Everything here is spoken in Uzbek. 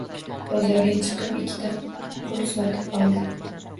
Bozorga chiqib ikkita qul sotib oldi